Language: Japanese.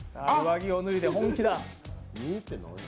上着を脱いで本気だ。